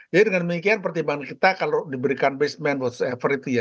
jadi dengan demikian pertimbangan kita kalau diberikan basement whatever itu ya